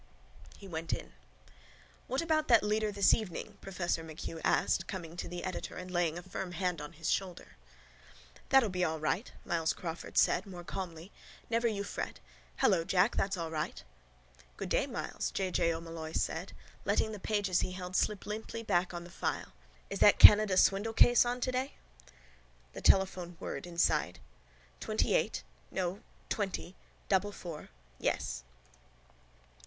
He went in. —What about that leader this evening? professor MacHugh asked, coming to the editor and laying a firm hand on his shoulder. —That'll be all right, Myles Crawford said more calmly. Never you fret. Hello, Jack. That's all right. —Good day, Myles, J. J. O'Molloy said, letting the pages he held slip limply back on the file. Is that Canada swindle case on today? The telephone whirred inside. —Twentyeight... No, twenty... Double four... Yes.